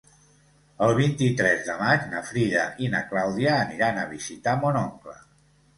El vint-i-tres de maig na Frida i na Clàudia aniran a visitar mon oncle.